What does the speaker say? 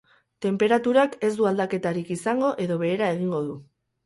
Tenperaturak ez du aldaketarik izango edo behera egingo du.